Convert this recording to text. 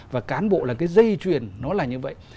và cán bộ là cái dây chuyền nó là như vậy